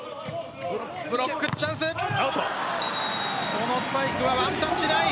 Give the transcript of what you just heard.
このスパイクはワンタッチない。